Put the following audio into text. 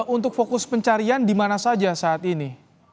untuk fokus pencarian di mana saja saat ini